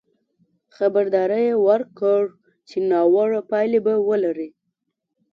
خبرداری یې ورکړ چې ناوړه پایلې به ولري.